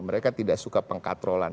mereka tidak suka pengkatrolan